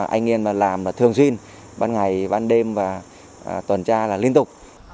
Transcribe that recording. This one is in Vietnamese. anh yên làm thường xuyên ban ngày ban đêm tuần tra liên tục